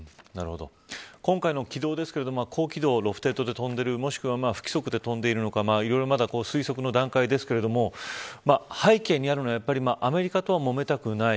今回の軌道ですけれど高機動を飛んでいるもしくは不規則で飛んでるのかいろいろな推測の段階ですけど背景にあるのはアメリカとはもめたくない。